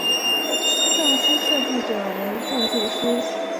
胜出设计者为建筑师。